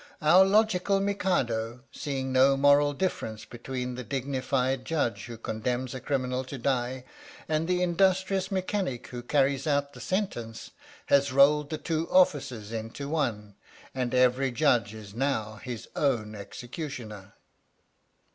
"Our logical Mikado, seeing no moral difference between the dignified Judge who condemns a criminal to die and the in dustrious mechanic who carries out the sentence, has rolled the two offices into one, and every Judge is now his own Executioner."